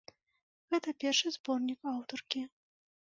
Гэта першы зборнік аўтаркі.